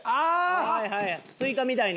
はいはいスイカみたいに切って。